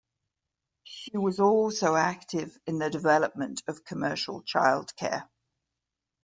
She was also active in the development of commercial childcare.